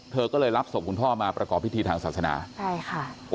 เธอก็เลยรับศพคุณพ่อมาประกอบพิธีทางศาสนาใช่ค่ะ